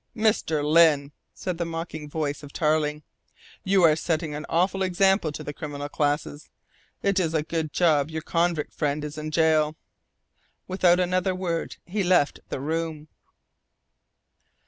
"Mr. Lyne," said the mocking voice of Tarling, "you are setting an awful example to the criminal classes. It is a good job your convict friend is in gaol." Without another word he left the room.